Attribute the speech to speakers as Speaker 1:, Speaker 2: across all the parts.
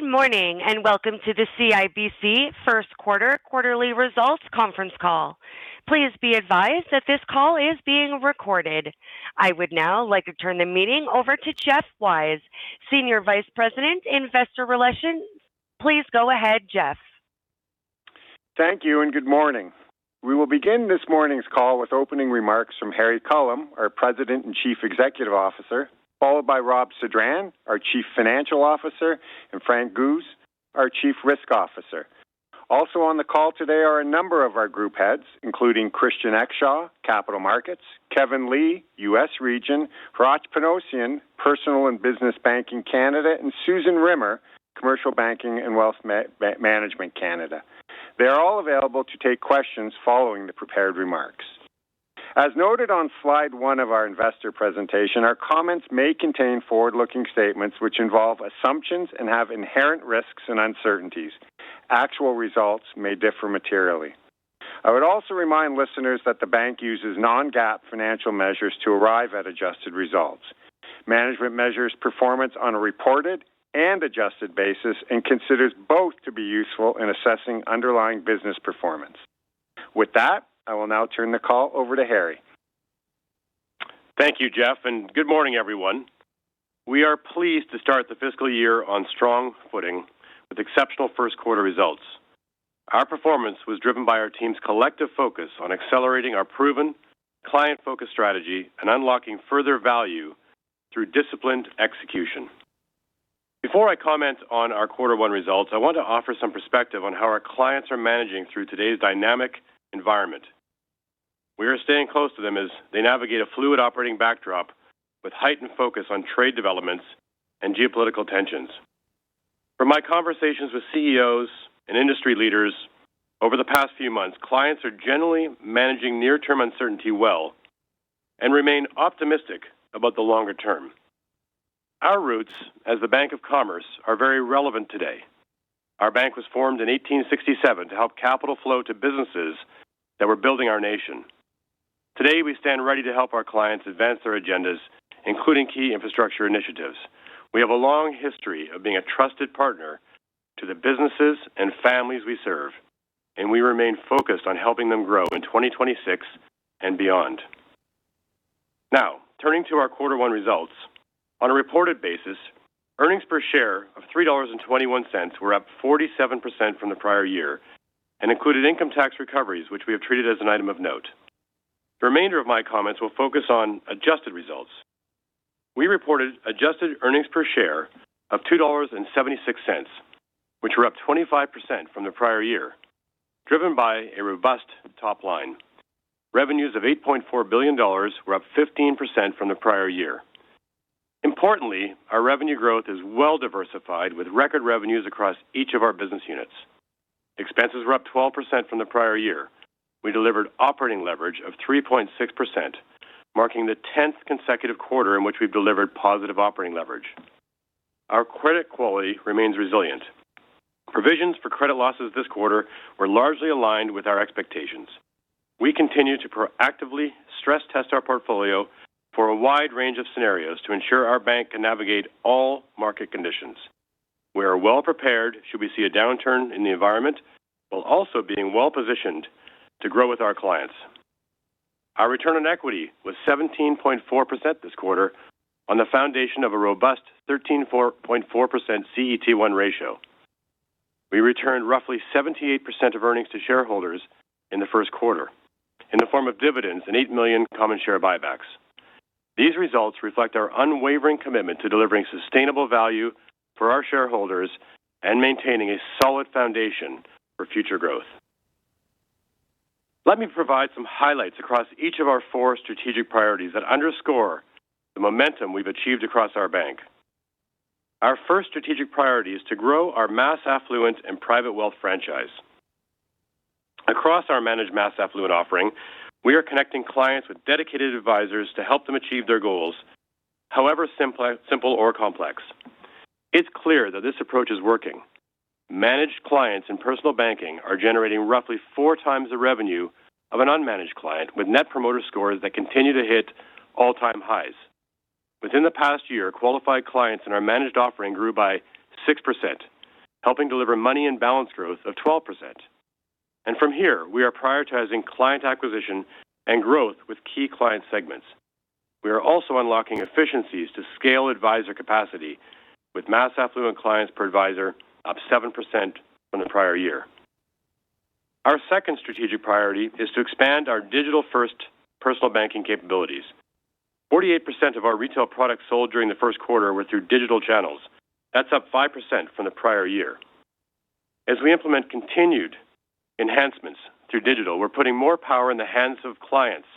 Speaker 1: Good morning, welcome to the CIBC First Quarter Quarterly Results Conference Call. Please be advised that this call is being recorded. I would now like to turn the meeting over to Geoff Weiss, Senior Vice President, Investor Relations. Please go ahead, Geoff.
Speaker 2: Thank you and good morning. We will begin this morning's call with opening remarks from Harry Culham, our President and Chief Executive Officer, followed by Robert Sedran, our Chief Financial Officer, and Frank Guse, our Chief Risk Officer. Also on the call today are a number of our group heads, including Christian Exshaw, Capital Markets, Kevin Li, U.S. Region, Hratch Panossian, Personal and Business Banking in Canada, and Susan Rimmer, Commercial Banking and Wealth Management Canada. They are all available to take questions following the prepared remarks. As noted on slide one of our investor presentation, our comments may contain forward-looking statements which involve assumptions and have inherent risks and uncertainties. Actual results may differ materially. I would also remind listeners that the bank uses Non-GAAP financial measures to arrive at adjusted results. Management measures performance on a reported and adjusted basis and considers both to be useful in assessing underlying business performance. With that, I will now turn the call over to Harry.
Speaker 3: Thank you, Geoff, and good morning, everyone. We are pleased to start the fiscal year on strong footing with exceptional first quarter results. Our performance was driven by our team's collective focus on accelerating our proven client-focused strategy and unlocking further value through disciplined execution. Before I comment on our quarter 1 results, I want to offer some perspective on how our clients are managing through today's dynamic environment. We are staying close to them as they navigate a fluid operating backdrop with heightened focus on trade developments and geopolitical tensions. From my conversations with CEOs and industry leaders over the past few months, clients are generally managing near-term uncertainty well and remain optimistic about the longer term. Our roots as the Canadian Bank of Commerce are very relevant today. Our bank was formed in 1,867 to help capital flow to businesses that were building our nation. Today, we stand ready to help our clients advance their agendas, including key infrastructure initiatives. We have a long history of being a trusted partner to the businesses and families we serve, and we remain focused on helping them grow in 2026 and beyond. Now, turning to our quarter one results. On a reported basis, earnings per share of 3.21 dollars were up 47% from the prior year and included income tax recoveries, which we have treated as an item of note. The remainder of my comments will focus on adjusted results. We reported adjusted earnings per share of 2.76 dollars, which were up 25% from the prior year, driven by a robust top line. Revenues of 8.4 billion dollars were up 15% from the prior year. Importantly, our revenue growth is well diversified, with record revenues across each of our business units. Expenses were up 12% from the prior year. We delivered operating leverage of 3.6%, marking the 10th consecutive quarter in which we've delivered positive operating leverage. Our credit quality remains resilient. Provisions for credit losses this quarter were largely aligned with our expectations. We continue to proactively stress test our portfolio for a wide range of scenarios to ensure our bank can navigate all market conditions. We are well prepared should we see a downturn in the environment, while also being well-positioned to grow with our clients. Our return on equity was 17.4% this quarter on the foundation of a robust 13.4% CET1 ratio. We returned roughly 78% of earnings to shareholders in the first quarter in the form of dividends and 8 million common share buybacks. These results reflect our unwavering commitment to delivering sustainable value for our shareholders and maintaining a solid foundation for future growth. Let me provide some highlights across each of our four strategic priorities that underscore the momentum we've achieved across our bank. Our first strategic priority is to grow our mass affluent and private wealth franchise. Across our managed mass affluent offering, we are connecting clients with dedicated advisors to help them achieve their goals, however simple or complex. It's clear that this approach is working. Managed clients in personal banking are generating roughly four times the revenue of an unmanaged client, with Net Promoter Scores that continue to hit all-time highs. Within the past year, qualified clients in our managed offering grew by 6%, helping deliver money and balance growth of 12%. From here, we are prioritizing client acquisition and growth with key client segments. We are also unlocking efficiencies to scale advisor capacity, with mass affluent clients per advisor up 7% from the prior year. Our second strategic priority is to expand our digital-first personal banking capabilities. 48% of our retail products sold during the first quarter were through digital channels. That's up 5% from the prior year. As we implement continued enhancements through digital, we're putting more power in the hands of clients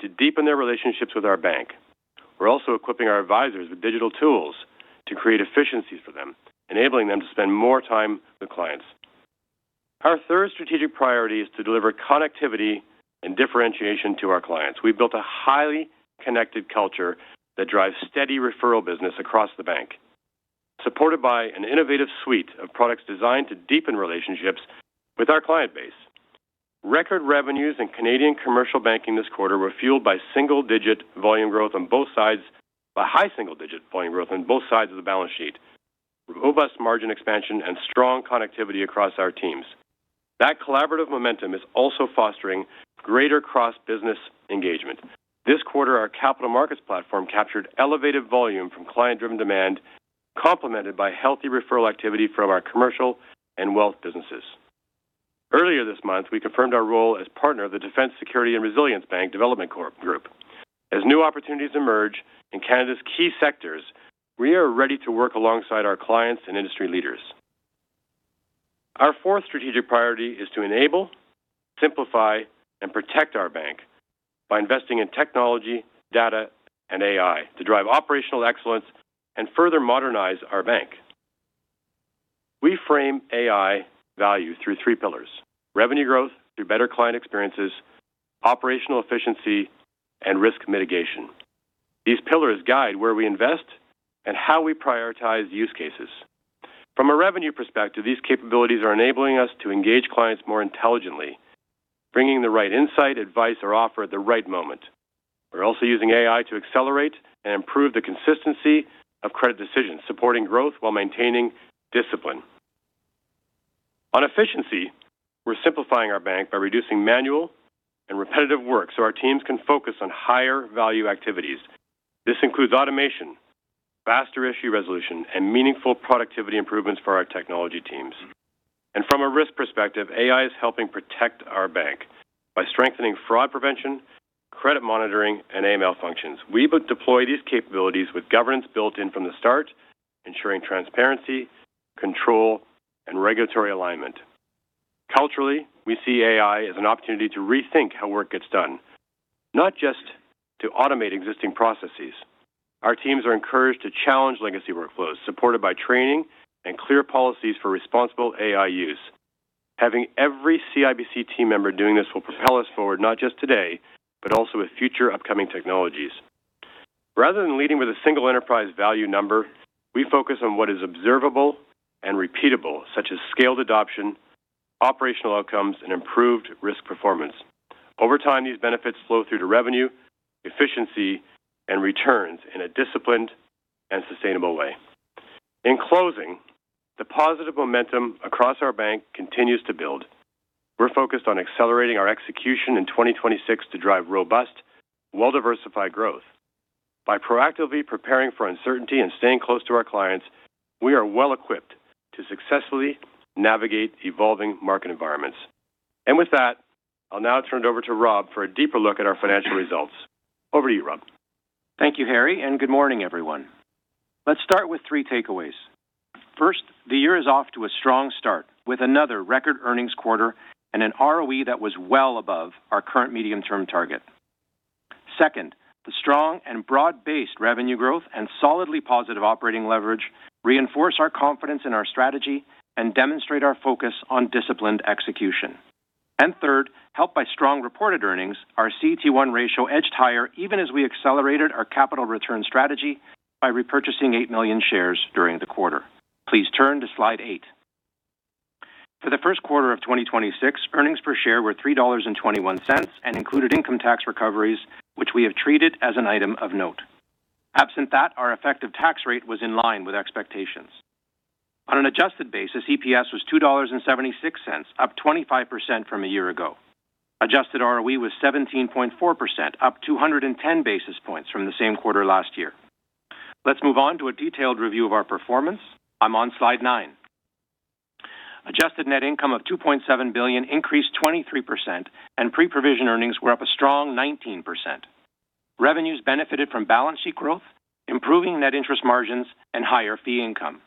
Speaker 3: to deepen their relationships with our bank. We're also equipping our advisors with digital tools to create efficiencies for them, enabling them to spend more time with clients. Our third strategic priority is to deliver connectivity and differentiation to our clients. We've built a highly connected culture that drives steady referral business across the bank, supported by an innovative suite of products designed to deepen relationships with our client base. Record revenues in Canadian Commercial Banking this quarter were fueled by high single-digit volume growth on both sides of the balance sheet, robust margin expansion and strong connectivity across our teams. That collaborative momentum is also fostering greater cross-business engagement. This quarter, our Capital Markets platform captured elevated volume from client-driven demand, complemented by healthy referral activity from our commercial and wealth businesses. Earlier this month, we confirmed our role as partner of the Defense Security and Resilience Bank Development Corp Group. As new opportunities emerge in Canada's key sectors, we are ready to work alongside our clients and industry leaders. Our fourth strategic priority is to enable, simplify, and protect our bank by investing in technology, data, and AI to drive operational excellence and further modernize our bank. We frame AI value through three pillars: revenue growth through better client experiences, operational efficiency, and risk mitigation. These pillars guide where we invest and how we prioritize use cases. From a revenue perspective, these capabilities are enabling us to engage clients more intelligently, bringing the right insight, advice, or offer at the right moment. We're also using AI to accelerate and improve the consistency of credit decisions, supporting growth while maintaining discipline. On efficiency, we're simplifying our bank by reducing manual and repetitive work so our teams can focus on higher value activities. This includes automation, faster issue resolution, and meaningful productivity improvements for our technology teams. From a risk perspective, AI is helping protect our bank by strengthening fraud prevention, credit monitoring, and AML functions. We deploy these capabilities with governance built in from the start, ensuring transparency, control, and regulatory alignment. Culturally, we see AI as an opportunity to rethink how work gets done, not just to automate existing processes. Our teams are encouraged to challenge legacy workflows, supported by training and clear policies for responsible AI use. Having every CIBC team member doing this will propel us forward, not just today, but also with future upcoming technologies. Rather than leading with a single enterprise value number, we focus on what is observable and repeatable, such as scaled adoption, operational outcomes, and improved risk performance. Over time, these benefits flow through to revenue, efficiency, and returns in a disciplined and sustainable way. In closing, the positive momentum across our bank continues to build. We're focused on accelerating our execution in 2026 to drive robust, well-diversified growth. By proactively preparing for uncertainty and staying close to our clients, we are well-equipped to successfully navigate evolving market environments. With that, I'll now turn it over to Rob for a deeper look at our financial results. Over to you, Rob.
Speaker 4: Thank you, Harry, and good morning, everyone. Let's start with three takeaways. First, the year is off to a strong start, with another record earnings quarter and an ROE that was well above our current medium-term target. Second, the strong and broad-based revenue growth and solidly positive operating leverage reinforce our confidence in our strategy and demonstrate our focus on disciplined execution. Third, helped by strong reported earnings, our CET1 ratio edged higher, even as we accelerated our capital return strategy by repurchasing 8 million shares during the quarter. Please turn to slide eight. For the first quarter of 2026, earnings per share were $3.21 and included income tax recoveries, which we have treated as an item of note. Absent that, our effective tax rate was in line with expectations. On an adjusted basis, EPS was $2.76, up 25% from a year ago. Adjusted ROE was 17.4%, up 210 basis points from the same quarter last year. Let's move on to a detailed review of our performance. I'm on slide nine. Adjusted net income of $2.7 billion increased 23%. Pre-provision earnings were up a strong 19%. Revenues benefited from balance sheet growth, improving net interest margins, and higher fee income.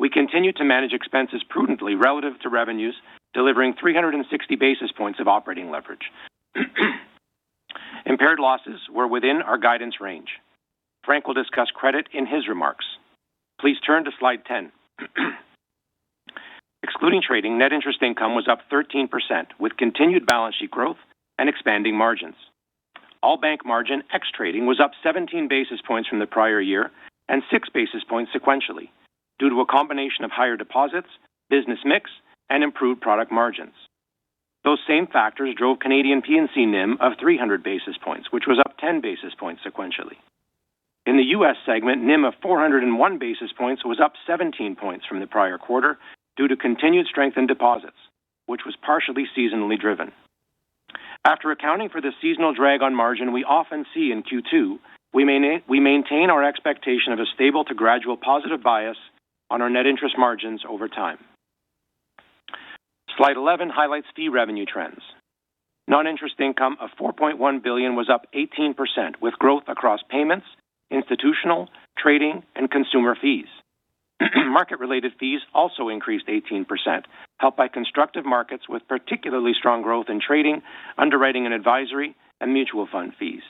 Speaker 4: We continued to manage expenses prudently relative to revenues, delivering 360 basis points of operating leverage. Impaired losses were within our guidance range. Frank Guse will discuss credit in his remarks. Please turn to Slide 10. Excluding trading, net interest income was up 13%, with continued balance sheet growth and expanding margins. All bank margin, ex trading, was up 17 basis points from the prior year and 6 basis points sequentially due to a combination of higher deposits, business mix, and improved product margins. Those same factors drove Canadian P&C NIM of 300 basis points, which was up 10 basis points sequentially. In the U.S. segment, NIM of 401 basis points was up 17 points from the prior quarter due to continued strength in deposits, which was partially seasonally driven. After accounting for the seasonal drag on margin we often see in Q2, we maintain our expectation of a stable to gradual positive bias on our net interest margins over time. Slide 11 highlights fee revenue trends. Non-interest income of 4.1 billion was up 18%, with growth across payments, institutional, trading, and consumer fees. Market-related fees also increased 18%, helped by constructive markets with particularly strong growth in trading, underwriting and advisory, and mutual fund fees.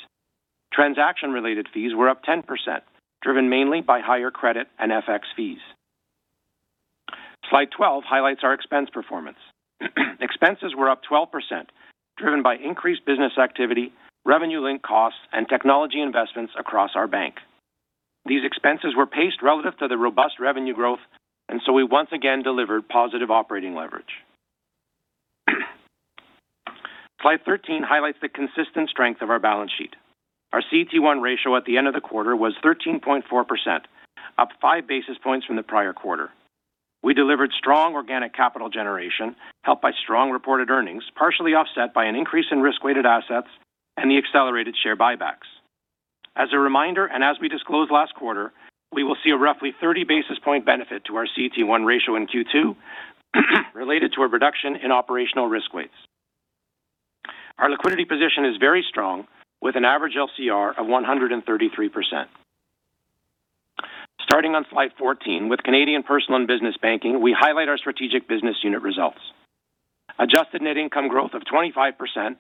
Speaker 4: Transaction-related fees were up 10%, driven mainly by higher credit and FX fees. Slide 12 highlights our expense performance. Expenses were up 12%, driven by increased business activity, revenue-linked costs, and technology investments across our bank. These expenses were paced relative to the robust revenue growth, so we once again delivered positive operating leverage. Slide 13 highlights the consistent strength of our balance sheet. Our CET1 ratio at the end of the quarter was 13.4%, up five basis points from the prior quarter. We delivered strong organic capital generation, helped by strong reported earnings, partially offset by an increase in risk-weighted assets and the accelerated share buybacks. As a reminder, and as we disclosed last quarter, we will see a roughly 30 basis point benefit to our CET1 ratio in Q2, related to a reduction in operational risk weights. Our liquidity position is very strong, with an average LCR of 133%. Starting on Slide 14, with Canadian Personal and Business Banking, we highlight our strategic business unit results. Adjusted net income growth of 25%,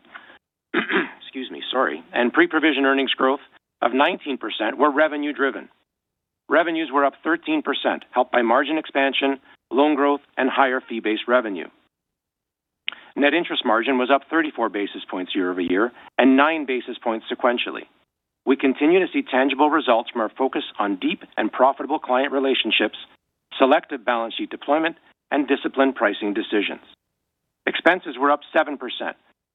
Speaker 4: excuse me, sorry, and pre-provision earnings growth of 19% were revenue-driven. Revenues were up 13%, helped by margin expansion, loan growth, and higher fee-based revenue. Net interest margin was up 34 basis points year-over-year and 9 basis points sequentially. We continue to see tangible results from our focus on deep and profitable client relationships, selective balance sheet deployment, and disciplined pricing decisions. Expenses were up 7%,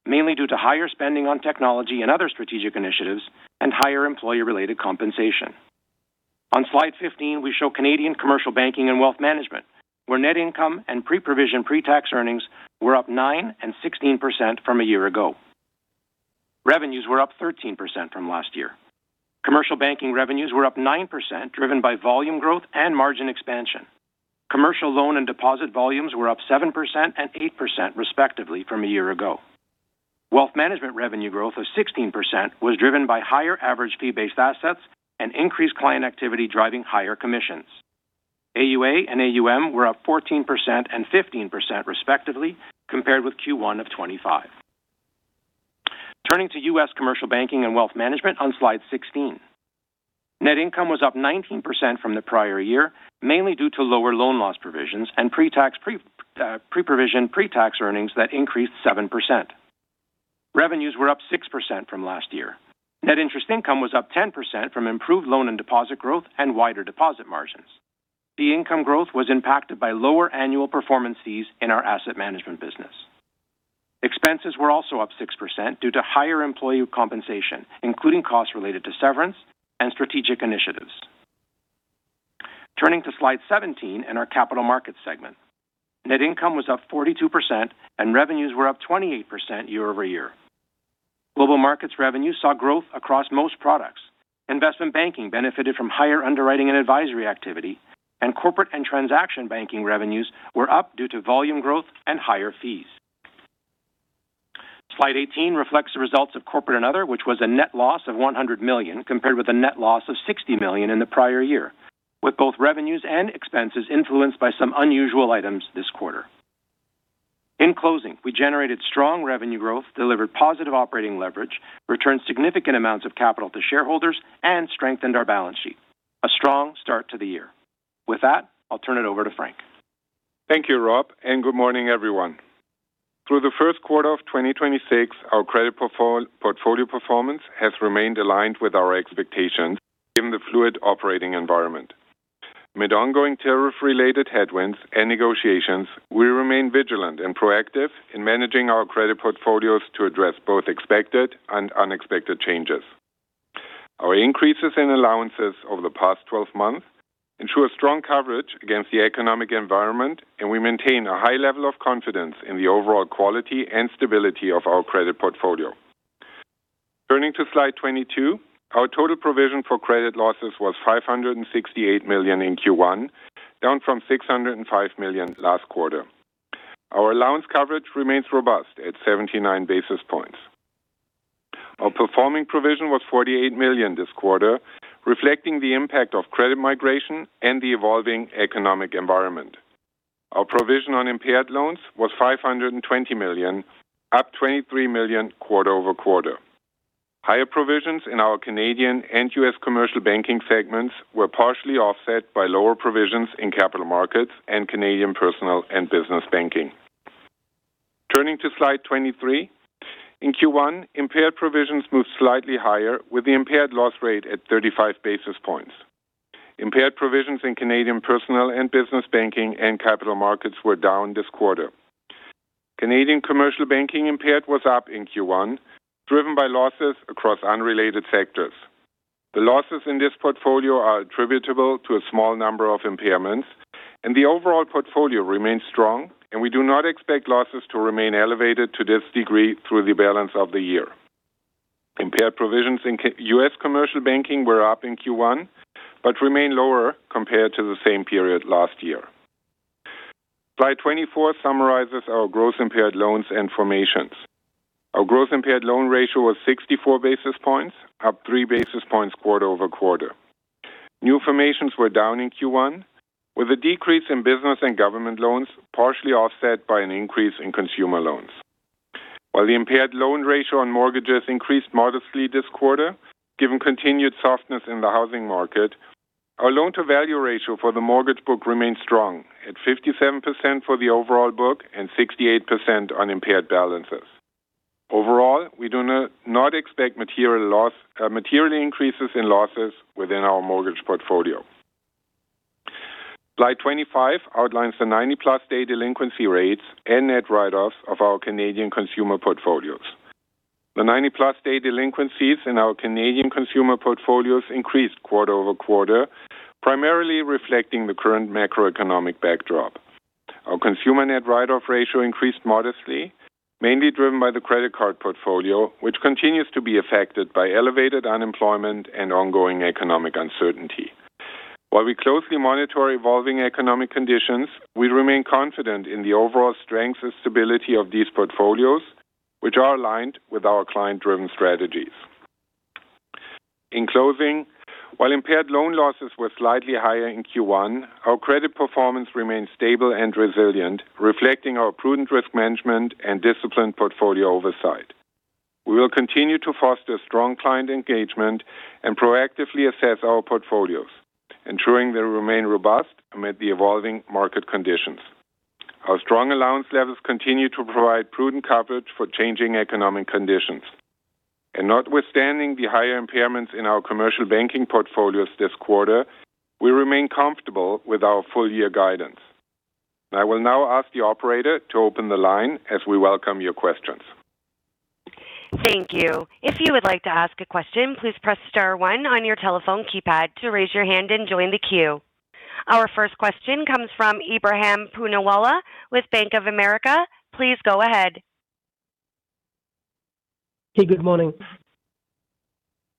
Speaker 4: mainly due to higher spending on technology and other strategic initiatives and higher employee-related compensation. On Slide 15, we show Canadian Commercial Banking and Wealth Management, where net income and pre-provision pre-tax earnings were up 9% and 16% from a year ago. Revenues were up 13% from last year. Commercial banking revenues were up 9%, driven by volume growth and margin expansion. Commercial loan and deposit volumes were up 7% and 8%, respectively, from a year ago. Wealth management revenue growth of 16% was driven by higher average fee-based assets and increased client activity, driving higher commissions. AUA and AUM were up 14% and 15%, respectively, compared with Q1 of 2025. Turning to U.S. Commercial Banking and Wealth Management on Slide 16. Net income was up 19% from the prior year, mainly due to lower loan loss provisions and pre-provision, pre-tax earnings that increased 7%. Revenues were up 6% from last year. Net interest income was up 10% from improved loan and deposit growth and wider deposit margins. The income growth was impacted by lower annual performance fees in our asset management business. Expenses were also up 6% due to higher employee compensation, including costs related to severance and strategic initiatives. Turning to Slide 17 and our Capital Markets segment. Net income was up 42% and revenues were up 28% year-over-year. Global markets revenue saw growth across most products. Investment banking benefited from higher underwriting and advisory activity, and corporate and transaction banking revenues were up due to volume growth and higher fees. Slide 18 reflects the results of corporate and other, which was a net loss of 100 million, compared with a net loss of 60 million in the prior year, with both revenues and expenses influenced by some unusual items this quarter. In closing, we generated strong revenue growth, delivered positive operating leverage, returned significant amounts of capital to shareholders, and strengthened our balance sheet. A strong start to the year. With that, I'll turn it over to Frank.
Speaker 5: Thank you, Rob. Good morning, everyone. Through the first quarter of 2026, our credit portfolio performance has remained aligned with our expectations in the fluid operating environment. Amid ongoing tariff-related headwinds and negotiations, we remain vigilant and proactive in managing our credit portfolios to address both expected and unexpected changes. Our increases in allowances over the past 12 months ensure strong coverage against the economic environment, and we maintain a high level of confidence in the overall quality and stability of our credit portfolio. Turning to Slide 22, our total provision for credit losses was 568 million in Q1, down from 605 million last quarter. Our allowance coverage remains robust at 79 basis points. Our performing provision was 48 million this quarter, reflecting the impact of credit migration and the evolving economic environment. Our provision on impaired loans was 520 million, up 23 million quarter-over-quarter. Higher provisions in our Canadian and U.S. Commercial Banking segments were partially offset by lower provisions in Capital Markets and Canadian Personal and Business Banking. Turning to Slide 23. In Q1, impaired provisions moved slightly higher, with the impaired loss rate at 35 basis points. Impaired provisions in Canadian Personal and Business Banking and Capital Markets were down this quarter. Canadian Commercial Banking impaired was up in Q1, driven by losses across unrelated sectors. The losses in this portfolio are attributable to a small number of impairments, and the overall portfolio remains strong, and we do not expect losses to remain elevated to this degree through the balance of the year. Impaired provisions in U.S. Commercial Banking were up in Q1, but remain lower compared to the same period last year. Slide 24 summarizes our gross impaired loans and formations. Our gross impaired loan ratio was 64 basis points, up three basis points quarter-over-quarter. New formations were down in Q1, with a decrease in business and government loans, partially offset by an increase in consumer loans. While the impaired loan ratio on mortgages increased modestly this quarter, given continued softness in the housing market, our loan-to-value ratio for the mortgage book remains strong at 57% for the overall book and 68% on impaired balances. Overall, we do not expect material loss, material increases in losses within our mortgage portfolio. Slide 25 outlines the 90+ day delinquency rates and net write-offs of our Canadian consumer portfolios. The 90+ day delinquencies in our Canadian consumer portfolios increased quarter-over-quarter, primarily reflecting the current macroeconomic backdrop. Our consumer net write-off ratio increased modestly, mainly driven by the credit card portfolio, which continues to be affected by elevated unemployment and ongoing economic uncertainty. While we closely monitor evolving economic conditions, we remain confident in the overall strength and stability of these portfolios, which are aligned with our client-driven strategies. In closing, while impaired loan losses were slightly higher in Q1, our credit performance remains stable and resilient, reflecting our prudent risk management and disciplined portfolio oversight. We will continue to foster strong client engagement and proactively assess our portfolios, ensuring they remain robust amid the evolving market conditions. Our strong allowance levels continue to provide prudent coverage for changing economic conditions. Notwithstanding the higher impairments in our Commercial Banking portfolios this quarter, we remain comfortable with our full year guidance. I will now ask the operator to open the line as we welcome your questions.
Speaker 1: Thank you. If you would like to ask a question, please press star one on your telephone keypad to raise your hand and join the queue. Our first question comes from Ebrahim Poonawala with Bank of America. Please go ahead.
Speaker 6: Hey, good morning.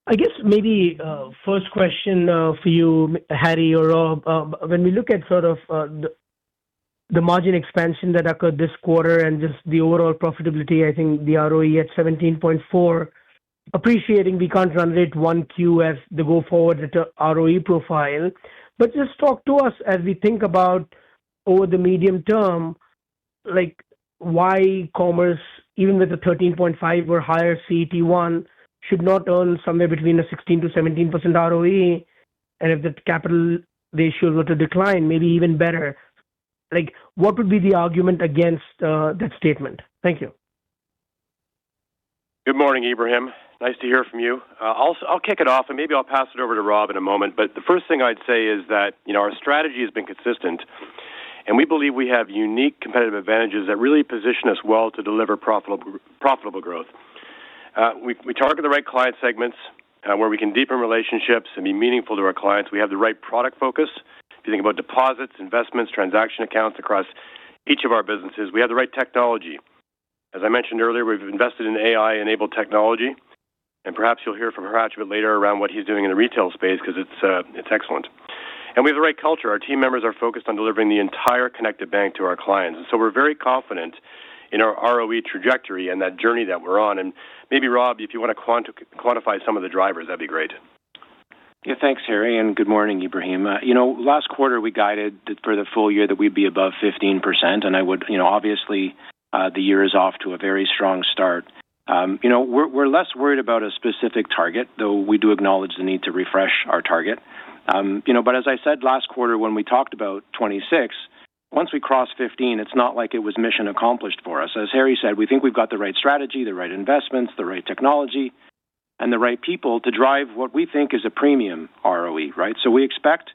Speaker 6: I guess maybe first question for you, Harry or Rob. When we look at sort of the margin expansion that occurred this quarter and just the overall profitability, I think the ROE at 17.4, appreciating we can't run rate 1Q as the go forward ROE profile. But just talk to us as we think about over the medium term, like why Commerce, even with the 13.5 or higher CET1, should not earn somewhere between a 16%-17% ROE, and if the capital ratios were to decline, maybe even better. Like, what would be the argument against that statement? Thank you.
Speaker 3: Good morning, Ebrahim. Nice to hear from you. I'll kick it off, and maybe I'll pass it over to Rob in a moment. The first thing I'd say is that, you know, our strategy has been consistent, and we believe we have unique competitive advantages that really position us well to deliver profitable growth. We target the right client segments, where we can deepen relationships and be meaningful to our clients. We have the right product focus. If you think about deposits, investments, transaction accounts across each of our businesses, we have the right technology. As I mentioned earlier, we've invested in AI-enabled technology, and perhaps you'll hear from Hratch later around what he's doing in the retail space because it's excellent. We have the right culture. Our team members are focused on delivering the entire connected bank to our clients. We're very confident in our ROE trajectory and that journey that we're on. Maybe, Rob, if you want to quantify some of the drivers, that'd be great.
Speaker 4: Thanks, Harry, and good morning, Ebrahim. You know, last quarter, we guided for the full year that we'd be above 15%, and you know, obviously, the year is off to a very strong start. You know, we're less worried about a specific target, though we do acknowledge the need to refresh our target. You know, but as I said last quarter when we talked about 26, once we cross 15, it's not like it was mission accomplished for us. As Harry said, we think we've got the right strategy, the right investments, the right technology, and the right people to drive what we think is a premium ROE, right? We expect,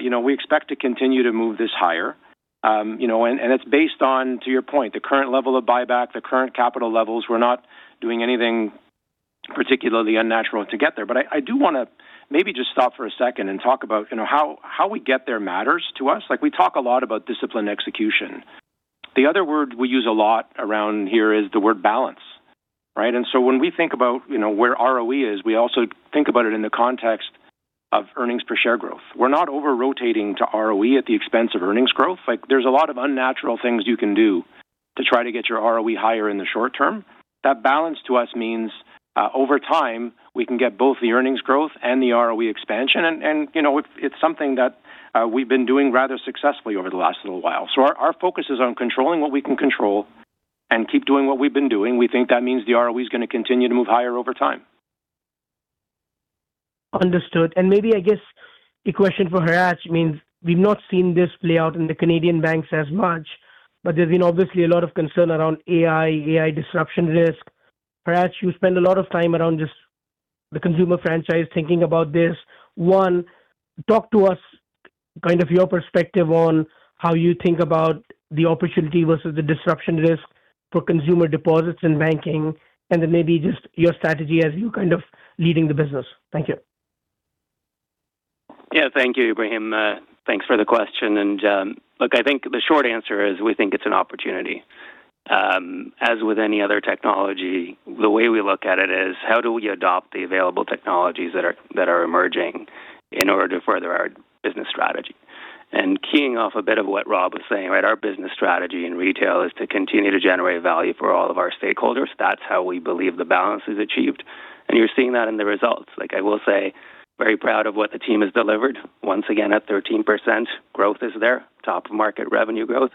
Speaker 4: you know, we expect to continue to move this higher. You know, it's based on, to your point, the current level of buyback, the current capital levels. We're not doing anything particularly unnatural to get there. I do want to maybe just stop for a second and talk about, you know, how we get there matters to us. Like, we talk a lot about disciplined execution. The other word we use a lot around here is the word balance, right? When we think about, you know, where ROE is, we also think about it in the context of earnings per share growth. We're not over-rotating to ROE at the expense of earnings growth. Like, there's a lot of unnatural things you can do to try to get your ROE higher in the short term. That balance, to us, means, over time, we can get both the earnings growth and the ROE expansion, you know, it's something that, we've been doing rather successfully over the last little while. Our focus is on controlling what we can control and keep doing what we've been doing. We think that means the ROE is going to continue to move higher over time.
Speaker 6: Understood. Maybe, I guess, a question for Hratch means we've not seen this play out in the Canadian banks as much, but there's been obviously a lot of concern around AI disruption risk. Hratch, you spend a lot of time around just the consumer franchise thinking about this. One, talk to us kind of your perspective on how you think about the opportunity versus the disruption risk for consumer deposits in banking, and then maybe just your strategy as you kind of leading the business. Thank you.
Speaker 7: Yeah. Thank you, Ebrahim. Thanks for the question, and look, I think the short answer is we think it's an opportunity. As with any other technology, the way we look at it is, how do we adopt the available technologies that are emerging in order to further our business strategy? Keying off a bit of what Rob was saying, right, our business strategy in retail is to continue to generate value for all of our stakeholders. That's how we believe the balance is achieved, and you're seeing that in the results. Like, I will say, very proud of what the team has delivered. Once again, at 13% growth is there, top market revenue growth,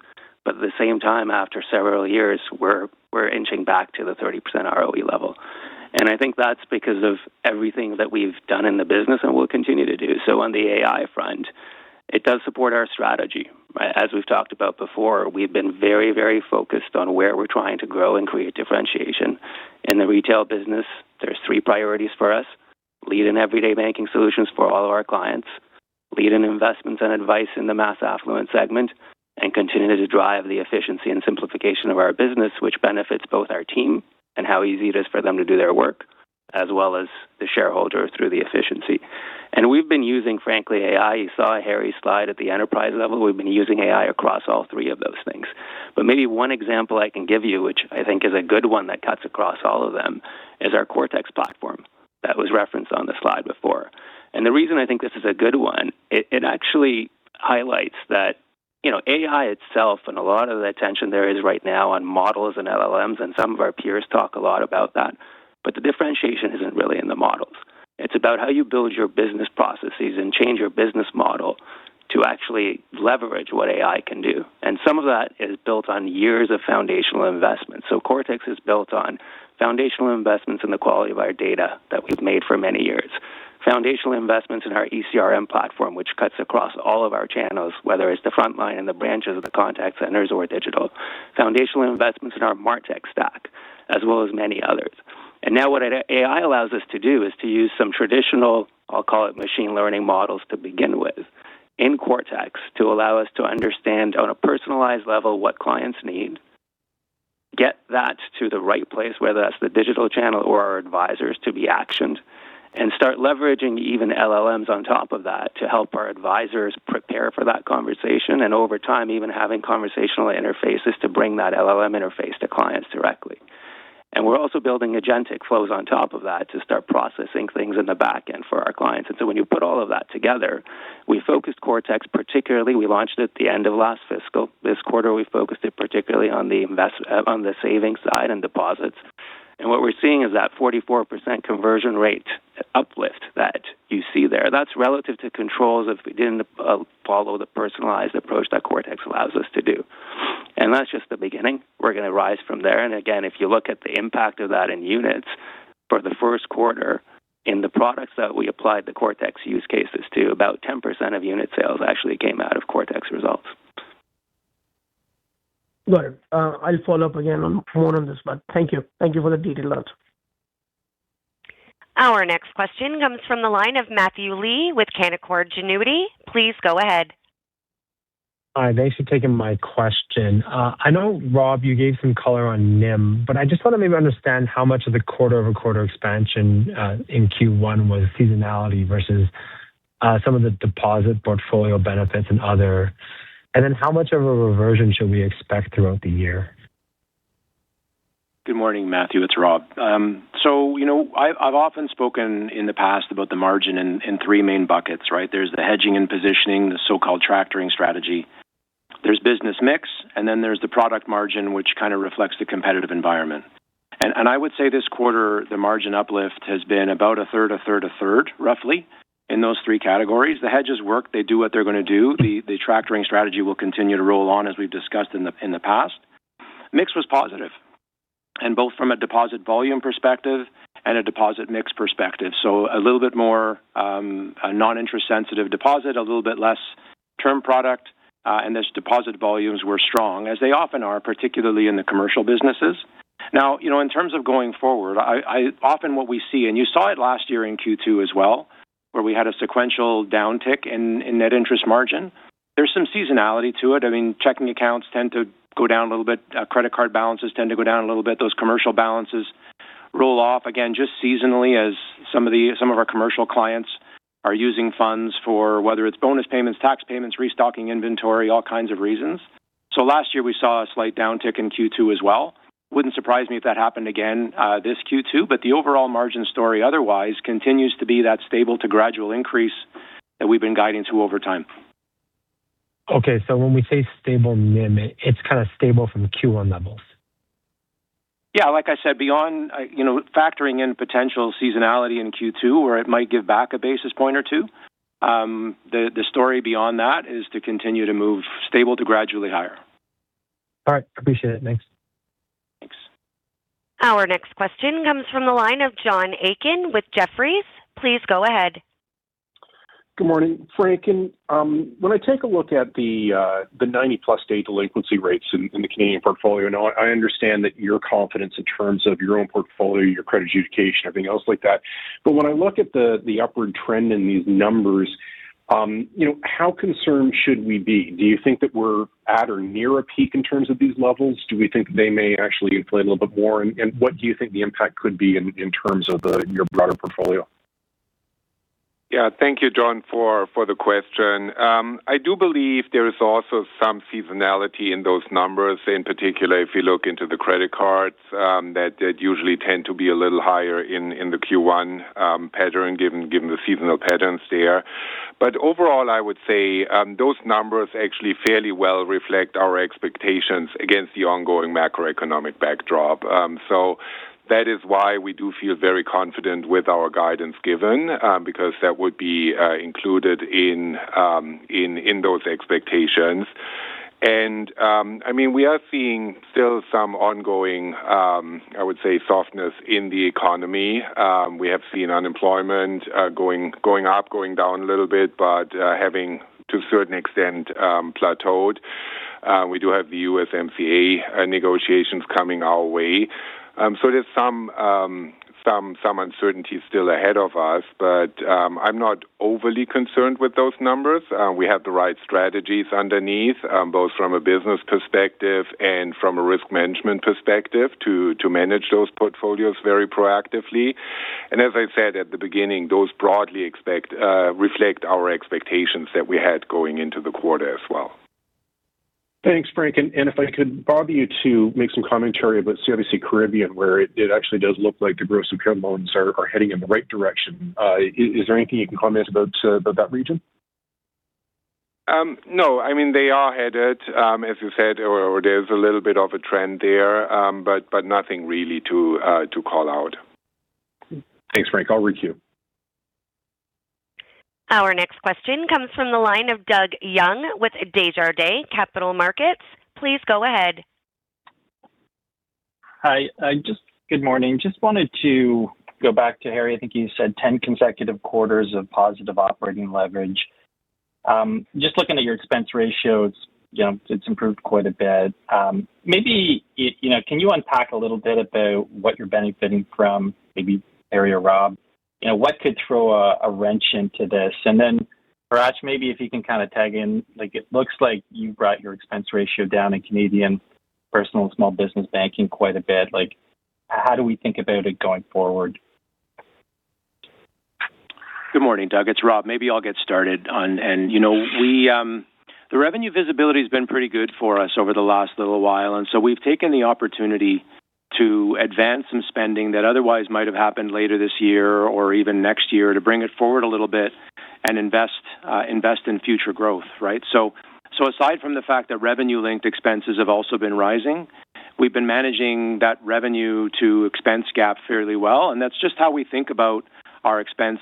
Speaker 7: but at the same time, after several years, we're inching back to the 30% ROE level. I think that's because of everything that we've done in the business and will continue to do. On the AI front, it does support our strategy. As we've talked about before, we've been very, very focused on where we're trying to grow and create differentiation. In the retail business, there's three priorities for us: lead in everyday banking solutions for all of our clients, lead in investments and advice in the mass affluent segment, and continue to drive the efficiency and simplification of our business, which benefits both our team and how easy it is for them to do their work, as well as the shareholder through the efficiency. We've been using, frankly, AI. You saw Harry's slide at the enterprise level. We've been using AI across all three of those things. Maybe one example I can give you, which I think is a good one that cuts across all of them, is our CIBC CRTeX platform. That was referenced on the slide before. The reason I think this is a good one, it actually highlights that, you know, AI itself and a lot of the attention there is right now on models and LLMs, and some of our peers talk a lot about that, but the differentiation isn't really in the models. It's about how you build your business processes and change your business model to actually leverage what AI can do. Some of that is built on years of foundational investment. Cortex is built on foundational investments in the quality of our data that we've made for many years, foundational investments in our ECRM platform, which cuts across all of our channels, whether it's the frontline and the branches of the contact centers or digital. Foundational investments in our Martech stack, as well as many others. Now what AI allows us to do is to use some traditional, I'll call it, machine learning models to begin with in Cortex, to allow us to understand on a personalized level what clients need, get that to the right place, whether that's the digital channel or our advisors, to be actioned, and start leveraging even LLMs on top of that to help our advisors prepare for that conversation, and over time, even having conversational interfaces to bring that LLM interface to clients directly. We're also building agentic flows on top of that to start processing things in the back end for our clients. When you put all of that together, we focused Cortex, particularly, we launched it at the end of last fiscal. This quarter, we focused it particularly on the savings side and deposits. What we're seeing is that 44% conversion rate uplift that you see there. That's relative to controls if we didn't follow the personalized approach that Cortex allows us to do. That's just the beginning. We're going to rise from there. Again, if you look at the impact of that in units for the first quarter in the products that we applied the Cortex use cases to, about 10% of unit sales actually came out of Cortex results.
Speaker 6: Got it. I'll follow up again on more on this, but thank you. Thank you for the detail notes.
Speaker 1: Our next question comes from the line of Matthew Lee with Canaccord Genuity. Please go ahead.
Speaker 8: Hi, thanks for taking my question. I know, Rob, you gave some color on NIM, but I just want to maybe understand how much of the quarter-over-quarter expansion in Q1 was seasonality versus some of the deposit portfolio benefits and other. Then how much of a reversion should we expect throughout the year?
Speaker 4: Good morning, Matthew, it's Rob. You know, I've often spoken in the past about the margin in three main buckets, right? There's the hedging and positioning, the so-called attracting strategy. There's business mix, and then there's the product margin, which kind of reflects the competitive environment. I would say this quarter, the margin uplift has been about a third, a third, a third, roughly, in those three categories. The hedges work. They do what they're going to do. The attracting strategy will continue to roll on, as we've discussed in the past. Mix was positive, and both from a deposit volume perspective and a deposit mix perspective. A little bit more, a non-interest sensitive deposit, a little bit less term product, and this deposit volumes were strong, as they often are, particularly in the commercial businesses. Now, you know, in terms of going forward, often what we see, and you saw it last year in Q2 as well, where we had a sequential downtick in net interest margin. There's some seasonality to it. I mean, checking accounts tend to go down a little bit. Credit card balances tend to go down a little bit. Those commercial balances roll off, again, just seasonally, as some of our commercial clients are using funds for whether it's bonus payments, tax payments, restocking inventory, all kinds of reasons. Last year, we saw a slight downtick in Q2 as well. Wouldn't surprise me if that happened again, this Q2. The overall margin story otherwise continues to be that stable to gradual increase that we've been guiding to over time.
Speaker 8: Okay, when we say stable NIM, it's kind of stable from Q1 levels?
Speaker 4: Yeah, like I said, beyond, you know, factoring in potential seasonality in Q2, where it might give back a basis point or two, the story beyond that is to continue to move stable to gradually higher.
Speaker 8: All right. Appreciate it. Thanks.
Speaker 4: Thanks.
Speaker 1: Our next question comes from the line of John Aiken with Jefferies. Please go ahead.
Speaker 9: Good morning, Frank. When I take a look at the 90+ state delinquency rates in the Canadian portfolio, now, I understand that your confidence in terms of your own portfolio, your credit adjudication, everything else like that, but when I look at the upward trend in these numbers, you know, how concerned should we be? Do you think that we're at or near a peak in terms of these levels? Do we think they may actually inflate a little bit more? What do you think the impact could be in terms of your broader portfolio?
Speaker 5: Yeah. Thank you, John, for the question. I do believe there is also some seasonality in those numbers. In particular, if you look into the credit cards, that usually tend to be a little higher in the Q1 pattern, given the seasonal patterns there. Overall, I would say, those numbers actually fairly well reflect our expectations against the ongoing macroeconomic backdrop. That is why we do feel very confident with our guidance given, because that would be included in those expectations. I mean, we are seeing still some ongoing, I would say, softness in the economy. We have seen unemployment going up, going down a little bit, but having to a certain extent, plateaued. We do have the USMCA negotiations coming our way. There's some uncertainty still ahead of us, but I'm not overly concerned with those numbers. We have the right strategies underneath both from a business perspective and from a risk management perspective, to manage those portfolios very proactively. As I said at the beginning, those broadly expect reflect our expectations that we had going into the quarter as well.
Speaker 9: Thanks, Frank, and if I could bother you to make some commentary about CIBC Caribbean, where it actually does look like the gross impaired loans are heading in the right direction. Is there anything you can comment about that region?
Speaker 5: No. I mean, they are headed, as you said, or there's a little bit of a trend there, but nothing really to call out.
Speaker 9: Thanks, Frank. I'll requeue.
Speaker 1: Our next question comes from the line of Doug Young with Desjardins Capital Markets. Please go ahead.
Speaker 10: Hi, just good morning. Just wanted to go back to Harry. I think you said 10 consecutive quarters of positive operating leverage. Just looking at your expense ratios, you know, it's improved quite a bit. Maybe, you know, can you unpack a little bit about what you're benefiting from? Maybe Harry or Rob, you know, what could throw a wrench into this? Hratch, maybe if you can kind of tag in, like, it looks like you brought your expense ratio down in Canadian Personal and small Business Banking quite a bit. Like, how do we think about it going forward?
Speaker 4: Good morning, Doug. It's Rob. Maybe I'll get started on. You know, we, the revenue visibility has been pretty good for us over the last little while, and so we've taken the opportunity to advance some spending that otherwise might have happened later this year or even next year, to bring it forward a little bit and invest in future growth, right? Aside from the fact that revenue-linked expenses have also been rising, we've been managing that revenue to expense gap fairly well, and that's just how we think about our expense,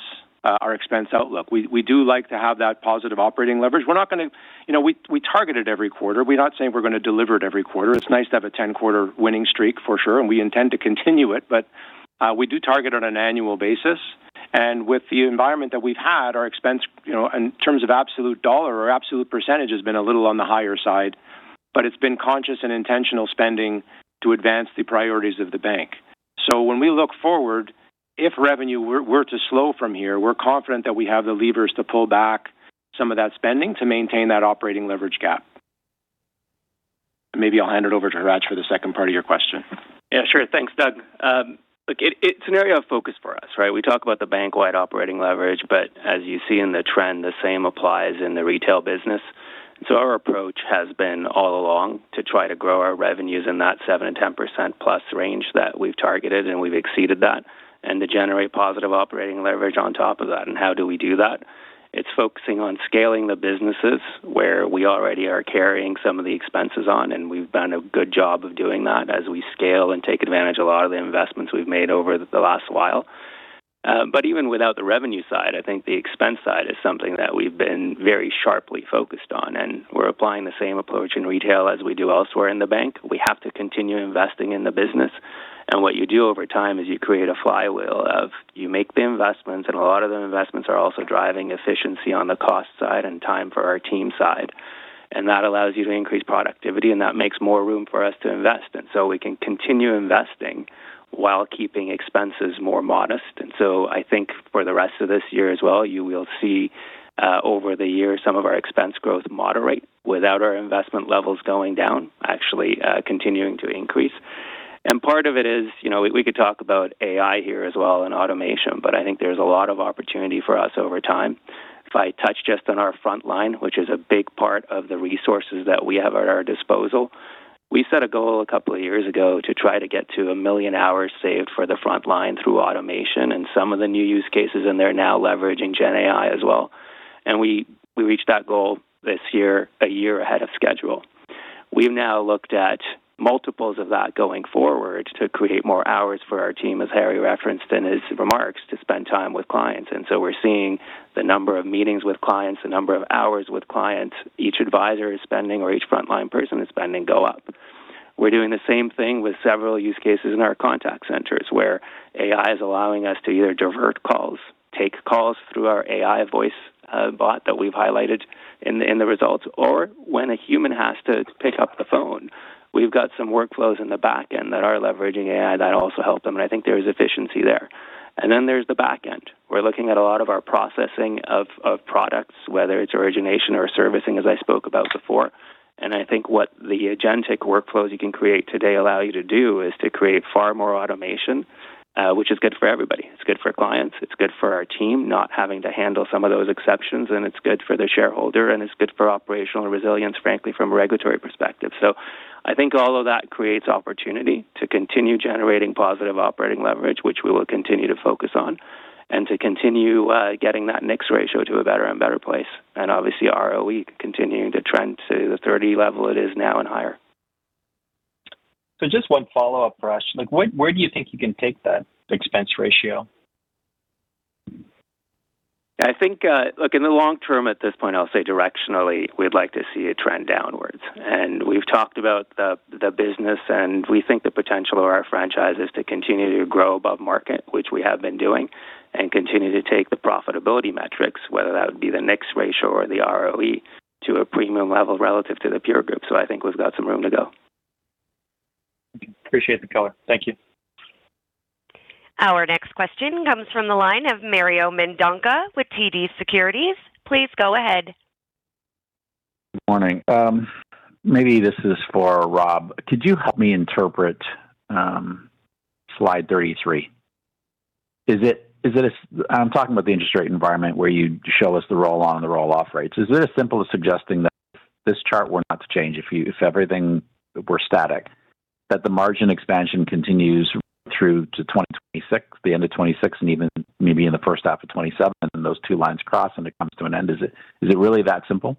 Speaker 4: our expense outlook. We do like to have that positive operating leverage. We're not gonna, you know, we target it every quarter. We're not saying we're going to deliver it every quarter. It's nice to have a 10 quarter winning streak for sure, and we intend to continue it, but we do target on an annual basis, and with the environment that we've had, our expense, you know, in terms of absolute dollar or absolute percentage, has been a little on the higher side, but it's been conscious and intentional spending to advance the priorities of the bank. When we look forward, if revenue were to slow from here, we're confident that we have the levers to pull back some of that spending to maintain that operating leverage gap. Maybe I'll hand it over to Hratch for the second part of your question.
Speaker 7: Yeah, sure. Thanks, Doug. Look, it's an area of focus for us, right? We talk about the bank-wide operating leverage. As you see in the trend, the same applies in the retail business. Our approach has been all along to try to grow our revenues in that 7% and 10%+ range that we've targeted, and we've exceeded that, and to generate positive operating leverage on top of that. How do we do that? It's focusing on scaling the businesses where we already are carrying some of the expenses on, and we've done a good job of doing that as we scale and take advantage a lot of the investments we've made over the last while. Even without the revenue side, I think the expense side is something that we've been very sharply focused on, and we're applying the same approach in retail as we do elsewhere in the bank. We have to continue investing in the business, and what you do over time is you create a flywheel of you make the investments, and a lot of the investments are also driving efficiency on the cost side and time for our team side. That allows you to increase productivity, and that makes more room for us to invest in, so we can continue investing while keeping expenses more modest. I think for the rest of this year as well, you will see, over the years, some of our expense growth moderate without our investment levels going down, actually, continuing to increase. Part of it is, you know, we could talk about AI here as well and automation, but I think there's a lot of opportunity for us over time. If I touch just on our frontline, which is a big part of the resources that we have at our disposal, we set a goal a couple of years ago to try to get to one million hours saved for the frontline through automation and some of the new use cases, and they're now leveraging GenAI as well. We reached that goal this year, a year ahead of schedule. We've now looked at multiples of that going forward to create more hours for our team, as Harry referenced in his remarks, to spend time with clients. We're seeing the number of meetings with clients, the number of hours with clients, each advisor is spending or each frontline person is spending go up. We're doing the same thing with several use cases in our contact centers, where AI is allowing us to either divert calls, take calls through our AI voice bot that we've highlighted in the results, or when a human has to pick up the phone, we've got some workflows in the back end that are leveraging AI that also help them, and I think there is efficiency there. There's the back end. We're looking at a lot of our processing of products, whether it's origination or servicing, as I spoke about before. I think what the agentic workflows you can create today allow you to do is to create far more automation, which is good for everybody. It's good for clients, it's good for our team, not having to handle some of those exceptions, and it's good for the shareholder, and it's good for operational resilience, frankly, from a regulatory perspective. I think all of that creates opportunity to continue generating positive operating leverage, which we will continue to focus on, and to continue getting that CET1 ratio to a better and better place. Obviously, ROE continuing to trend to the 30 level it is now and higher.
Speaker 10: Just one follow-up Hratch. Like, where do you think you can take that expense ratio?
Speaker 7: I think, look, in the long term, at this point, I'll say directionally, we'd like to see a trend downwards. We've talked about the business, and we think the potential of our franchise is to continue to grow above market, which we have been doing, and continue to take the profitability metrics, whether that would be the next ratio or the ROE, to a premium level relative to the peer group. I think we've got some room to go.
Speaker 10: Appreciate the color. Thank you.
Speaker 1: Our next question comes from the line of Mario Mendonca with TD Securities. Please go ahead.
Speaker 11: Good morning. Maybe this is for Rob. Could you help me interpret Slide 33? I'm talking about the interest rate environment where you show us the roll-on and the roll-off rates. Is it as simple as suggesting that this chart will not change if you, if everything were static, that the margin expansion continues through to 2026, the end of 26, and even maybe in the first half of 2077, and those two lines cross, and it comes to an end? Is it really that simple?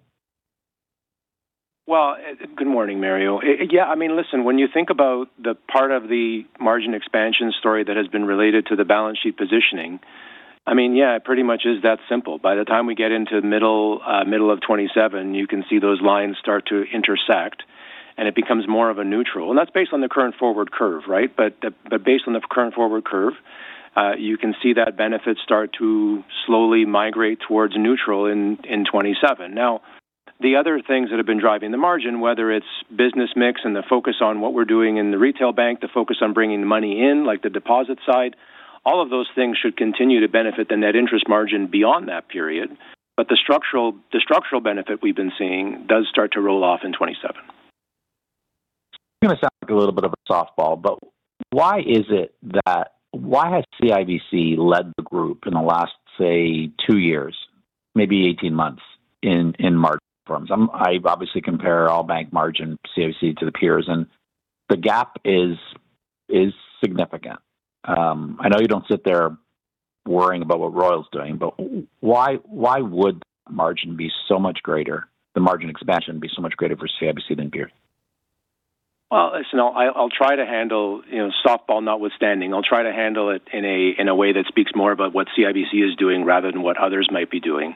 Speaker 4: Well, good morning, Mario. Yeah, I mean, listen, when you think about the part of the margin expansion story that has been related to the balance sheet positioning, I mean, yeah, it pretty much is that simple. By the time we get into the middle of 2027, you can see those lines start to intersect, and it becomes more of a neutral. That's based on the current forward curve, right? Based on the current forward curve, you can see that benefits start to slowly migrate towards neutral in 2027. Now, the other things that have been driving the margin, whether it's business mix and the focus on what we're doing in the retail bank, the focus on bringing the money in, like the deposit side, all of those things should continue to benefit the net interest margin beyond that period. The structural benefit we've been seeing does start to roll off in 2027.
Speaker 11: I'm going to sound like a little bit of a softball, but why is it that why has CIBC led the group in the last, say, two years, maybe 18 months in margin terms? I obviously compare all bank margin, CIBC to the peers, and the gap is significant. I know you don't sit there worrying about what Royal is doing, but why would margin be so much greater, the margin expansion be so much greater for CIBC than peers?
Speaker 4: Well, listen, I'll try to handle, you know, softball notwithstanding, I'll try to handle it in a, in a way that speaks more about what CIBC is doing rather than what others might be doing.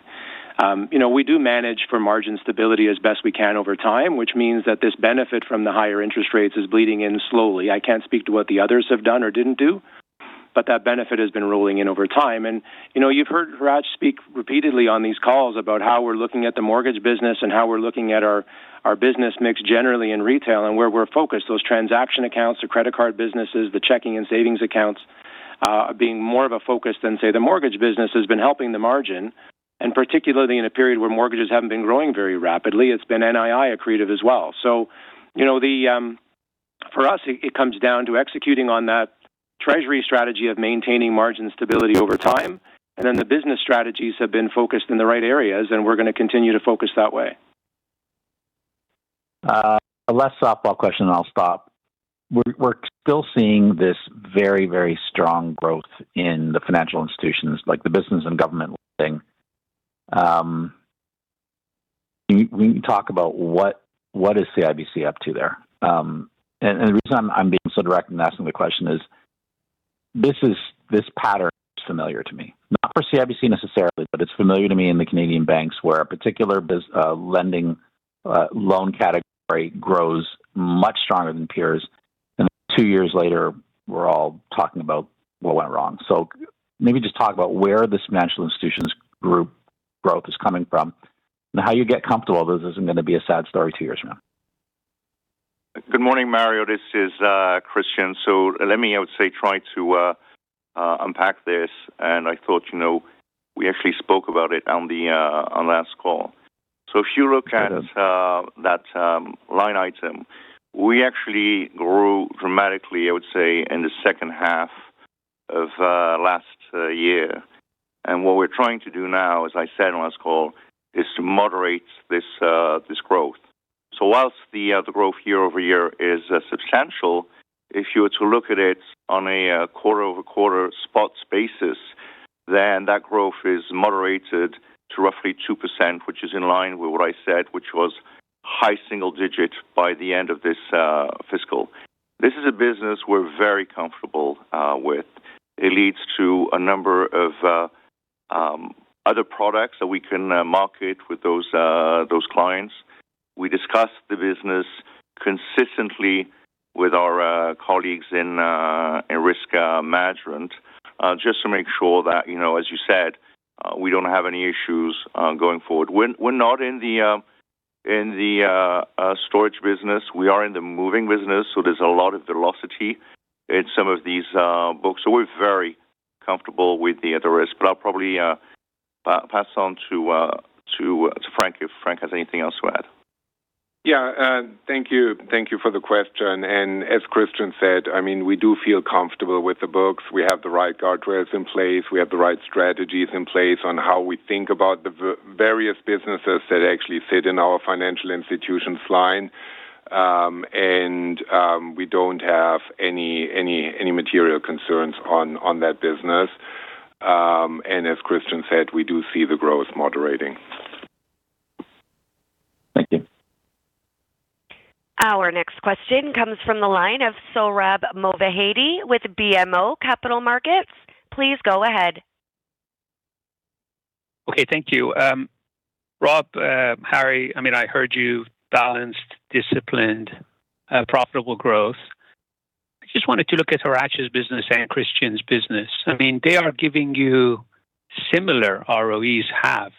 Speaker 4: You know, we do manage for margin stability as best we can over time, which means that this benefit from the higher interest rates is bleeding in slowly. I can't speak to what the others have done or didn't do, but that benefit has been rolling in over time. You know, you've heard Hratch speak repeatedly on these calls about how we're looking at the mortgage business and how we're looking at our business mix generally in retail and where we're focused. Those transaction accounts, the credit card businesses, the checking and savings accounts, being more of a focus than, say, the mortgage business has been helping the margin, and particularly in a period where mortgages haven't been growing very rapidly, it's been NII accretive as well. You know, the, for us, it comes down to executing on that treasury strategy of maintaining margin stability over time, and then the business strategies have been focused in the right areas, and we're going to continue to focus that way.
Speaker 11: A less softball question and I'll stop. We're still seeing this very, very strong growth in the financial institutions, like the business and government lending. Will you talk about what is CIBC up to there? The reason I'm being so direct in asking the question is, this pattern is familiar to me, not for CIBC necessarily, but it's familiar to me in the Canadian banks, where a particular lending, loan category grows much stronger than peers, and two years later, we're all talking about what went wrong. Maybe just talk about where this financial institutions group growth is coming from and how you get comfortable this isn't going to be a sad story two years from now.
Speaker 12: Good morning, Mario. This is Christian. Let me, I would say, try to unpack this, and I thought, you know, we actually spoke about it on the last call. If you look at-.
Speaker 11: Yes.
Speaker 12: That line item, we actually grew dramatically, I would say, in the second half of last year. What we're trying to do now, as I said on last call, is to moderate this growth. Whilst the growth year-over-year is substantial, if you were to look at it on a quarter-over-quarter spot basis, then that growth is moderated to roughly 2%, which is in line with what I said, which was high single digit by the end on this fiscal. This is a business we're very comfortable with. It leads to a number of other products that we can market with those clients. We discuss the business consistently with our colleagues in risk management just to make sure that, you know, as you said, we don't have any issues going forward. We're not in the storage business. We are in the moving business, there's a lot of velocity in some of these books. We're very comfortable with the other risk, I'll probably pass on to Frank, if Frank has anything else to add.
Speaker 5: Thank you. Thank you for the question. As Christian said, I mean, we do feel comfortable with the books. We have the right guardrails in place. We have the right strategies in place on how we think about the various businesses that actually fit in our financial institutions line. We don't have any material concerns on that business. As Christian said, we do see the growth moderating.
Speaker 11: Thank you.
Speaker 1: Our next question comes from the line of Sohrab Movahedi with BMO Capital Markets. Please go ahead.
Speaker 13: Okay, thank you. Rob, Harry, I mean, I heard you balanced, disciplined, profitable growth. I just wanted to look at Harry Culham's business and Christian's business. I mean, they are giving you similar ROEs half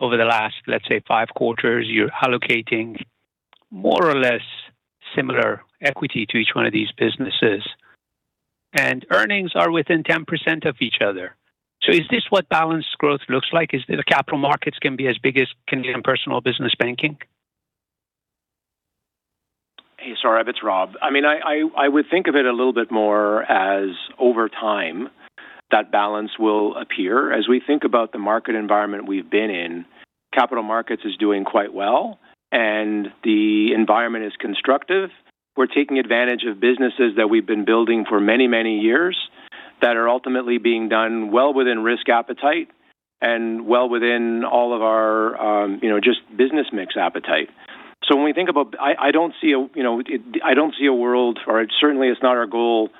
Speaker 13: over the last, let's say, five quarters. You're allocating more or less similar equity to each one of these businesses, and earnings are within 10% of each other. Is this what balanced growth looks like? Is Capital Markets can be as big as Canadian Personal and Business Banking?
Speaker 4: Hey, Sohrab Movahedi, it's Robert Sedran. I mean, I would think of it a little bit more as over time, that balance will appear. As we think about the market environment we've been in, Capital Markets is doing quite well, and the environment is constructive. We're taking advantage of businesses that we've been building for many, many years that are ultimately being done well within risk appetite and well within all of our, you know, just business mix appetite. When we think about, I don't see a world, or certainly it's not our goal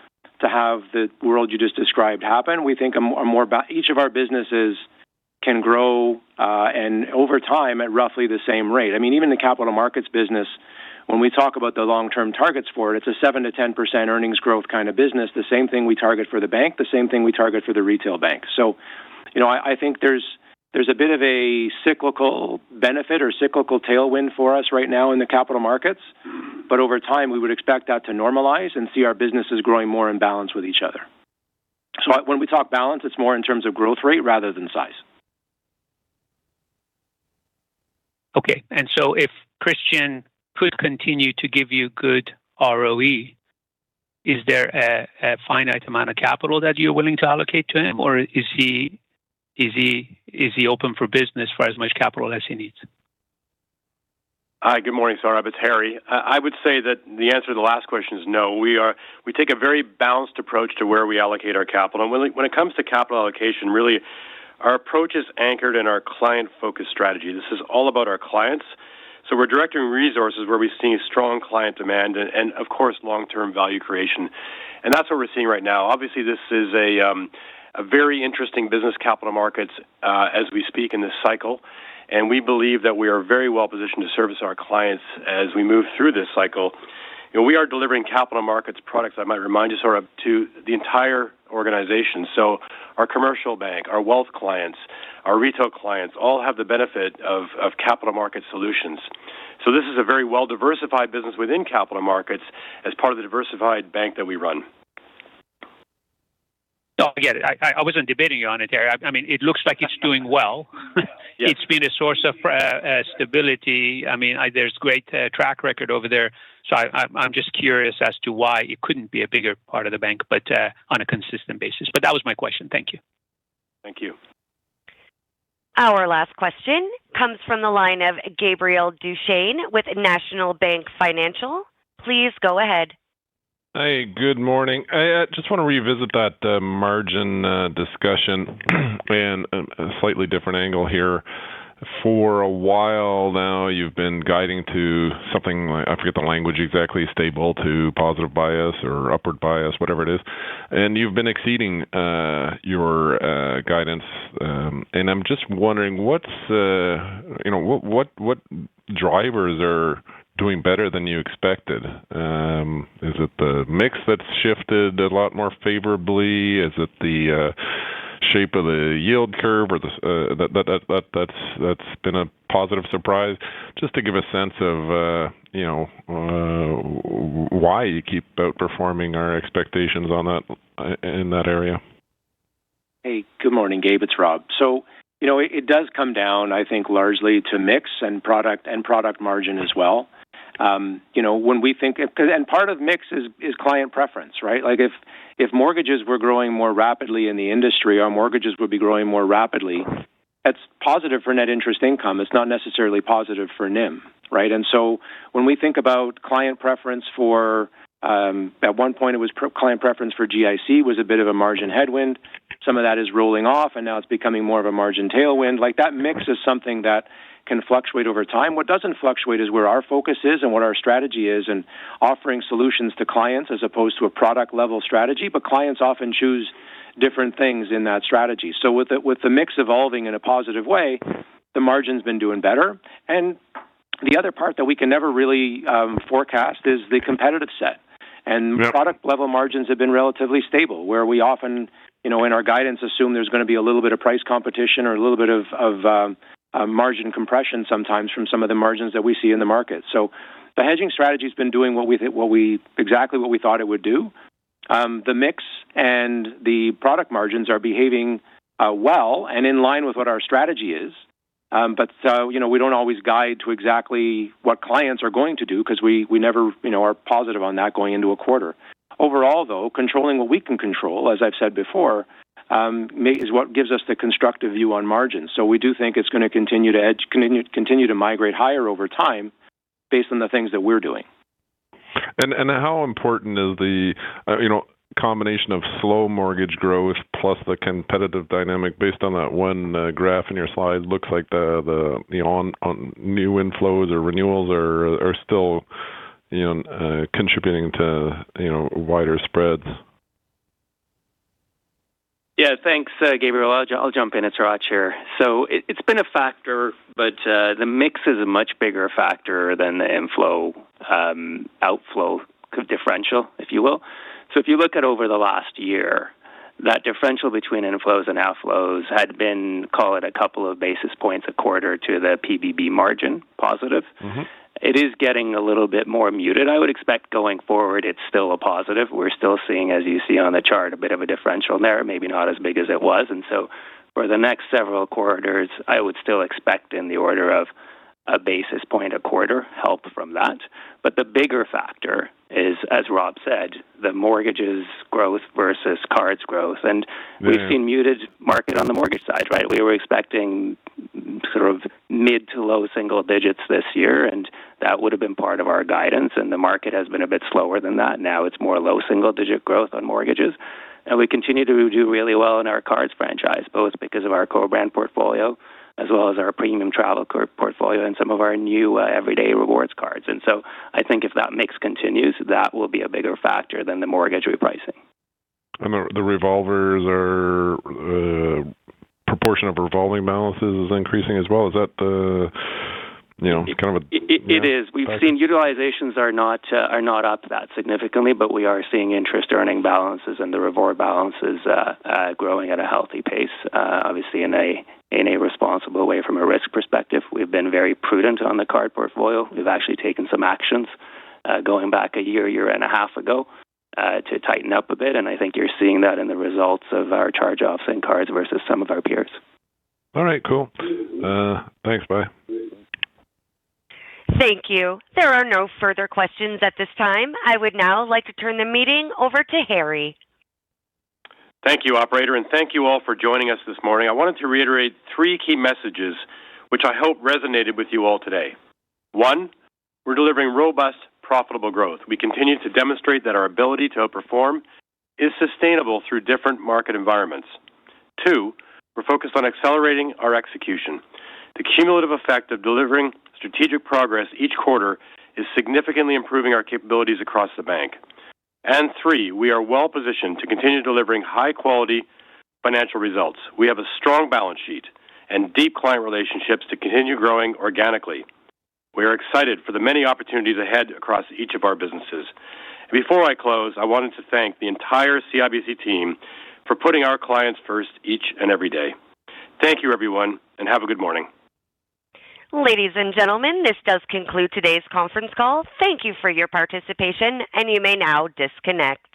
Speaker 4: to have the world you just described happen. We think more about each of our businesses can grow, and over time at roughly the same rate. I mean, even the Capital Markets business, when we talk about the long-term targets for it's a 7%-10% earnings growth kind of business, the same thing we target for the bank, the same thing we target for the retail bank. You know, I think there's a bit of a cyclical benefit or cyclical tailwind for us right now in the Capital Markets, but over time, we would expect that to normalize and see our businesses growing more in balance with each other. When we talk balance, it's more in terms of growth rate rather than size.
Speaker 13: If Christian could continue to give you good ROE, is there a finite amount of capital that you're willing to allocate to him, or is he open for business for as much capital as he needs?
Speaker 3: Hi, good morning, Sohrab. It's Harry. I would say that the answer to the last question is no. We take a very balanced approach to where we allocate our capital. When it comes to capital allocation, really, our approach is anchored in our client-focused strategy. This is all about our clients, so we're directing resources where we see strong client demand and of course, long-term value creation. That's what we're seeing right now. Obviously, this is a very interesting business Capital Markets, as we speak in this cycle, and we believe that we are very well positioned to service our clients as we move through this cycle. You know, we are delivering Capital Markets products, I might remind you, Sohrab, to the entire organization. Our commercial bank, our wealth clients, our retail clients, all have the benefit of capital market solutions. This is a very well-diversified business within Capital Markets as part of the diversified bank that we run.
Speaker 13: No, I get it. I wasn't debating you on it, Harry. I mean, it looks like it's doing well.
Speaker 3: Yeah.
Speaker 13: It's been a source of stability. I mean, there's great track record over there, so I'm just curious as to why it couldn't be a bigger part of the bank, but on a consistent basis. That was my question. Thank you.
Speaker 3: Thank you.
Speaker 1: Our last question comes from the line of Gabriel Dechaine with National Bank Financial. Please go ahead.
Speaker 14: Hey, good morning. I just want to revisit that margin discussion, and a slightly different angle here. For a while now, you've been guiding to something like, I forget the language exactly, stable to positive bias or upward bias, whatever it is, you've been exceeding your guidance, I'm just wondering what's the, you know, what drivers are doing better than you expected? Is it the mix that's shifted a lot more favorably? Is it the shape of the yield curve that's been a positive surprise? Just to give a sense of, you know, why you keep outperforming our expectations in that area.
Speaker 4: Hey, good morning, Gabe. It's Rob. You know, it does come down, I think, largely to mix and product, and product margin as well. You know, part of mix is client preference, right? Like, if mortgages were growing more rapidly in the industry, our mortgages would be growing more rapidly. That's positive for net interest income. It's not necessarily positive for NIM, right? When we think about client preference for, at one point, it was client preference for GIC was a bit of a margin headwind. Some of that is rolling off, and now it's becoming more of a margin tailwind. Like, that mix is something that can fluctuate over time. What doesn't fluctuate is where our focus is and what our strategy is. Offering solutions to clients as opposed to a product-level strategy, clients often choose different things in that strategy. With the mix evolving in a positive way, the margin's been doing better. The other part that we can never really forecast is the competitive set.
Speaker 14: Yeah.
Speaker 4: Product level margins have been relatively stable, where we often, you know, in our guidance, assume there's going to be a little bit of price competition or a little bit of margin compression sometimes from some of the margins that we see in the market. The hedging strategy has been doing exactly what we thought it would do. The mix and the product margins are behaving well and in line with what our strategy is. You know, we don't always guide to exactly what clients are going to do because we never, you know, are positive on that going into a quarter. Overall, though, controlling what we can control, as I've said before, is what gives us the constructive view on margins. We do think it's going to continue to edge, continue to migrate higher over time based on the things that we're doing.
Speaker 14: How important is the, you know, combination of slow mortgage growth plus the competitive dynamic based on that one graph in your slide? Looks like the, you know, on new inflows or renewals are still, you know, contributing to, you know, wider spreads.
Speaker 7: Thanks, Gabriel. I'll jump in. It's Hratch here. It's been a factor, but the mix is a much bigger factor than the inflow, outflow differential, if you will. If you look at over the last year, that differential between inflows and outflows had been, call it, a couple of basis points a quarter to the PBB margin, positive. It is getting a little bit more muted. I would expect going forward, it is still a positive. We are still seeing, as you see on the chart, a bit of a differential there, maybe not as big as it was. For the next several quarters, I would still expect in the order of a basis point, a quarter help from that. The bigger factor is, as Rob said, the mortgages growth versus cards growth.
Speaker 14: Yeah.
Speaker 7: We've seen muted market on the mortgage side, right? We were expecting sort of mid to low single-digits this year, and that would have been part of our guidance, and the market has been a bit slower than that. Now, it's more low single-digit growth on mortgages. We continue to do really well in our cards franchise, both because of our co-brand portfolio as well as our premium travel card portfolio and some of our new everyday rewards cards. I think if that mix continues, that will be a bigger factor than the mortgage repricing.
Speaker 14: The revolvers or proportion of revolving balances is increasing as well. Is that the, you know?
Speaker 7: It is. We've seen utilizations are not up that significantly, but we are seeing interest earning balances and the revolve balances growing at a healthy pace obviously in a responsible way from a risk perspective. We've been very prudent on the card portfolio. We've actually taken some actions going back a year and a half ago to tighten up a bit, and I think you're seeing that in the results of our charge-offs and cards versus some of our peers.
Speaker 14: All right, cool. Thanks, bye.
Speaker 1: Thank you. There are no further questions at this time. I would now like to turn the meeting over to Harry.
Speaker 3: Thank you, operator. Thank you all for joining us this morning. I wanted to reiterate three key messages, which I hope resonated with you all today. One, we're delivering robust, profitable growth. We continue to demonstrate that our ability to outperform is sustainable through different market environments. Two, we're focused on accelerating our execution. The cumulative effect of delivering strategic progress each quarter is significantly improving our capabilities across the bank. Three, we are well positioned to continue delivering high-quality financial results. We have a strong balance sheet and deep client relationships to continue growing organically. We are excited for the many opportunities ahead across each of our businesses. Before I close, I wanted to thank the entire CIBC team for putting our clients first, each and every day. Thank you, everyone, and have a good morning.
Speaker 1: Ladies and gentlemen, this does conclude today's conference call. Thank you for your participation. You may now disconnect.